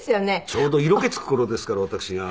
ちょうど色気つく頃ですから私が。